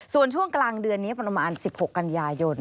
ส่วนช่วงกลางเดือนนี้ประมาณ๑๖กันยายน